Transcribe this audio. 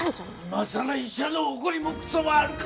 今さら医者の誇りもクソもあるか！